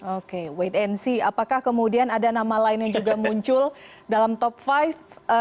oke wait and see apakah kemudian ada nama lain yang juga muncul dalam top five